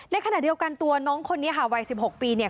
ในขณะเดียวกันตัวน้องคนนี้ค่ะวัย๑๖ปีเนี่ย